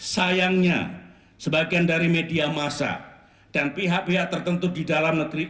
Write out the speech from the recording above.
sayangnya sebagian dari media masa dan pihak pihak tertentu di dalam negeri